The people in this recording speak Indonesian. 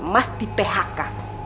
mas di phk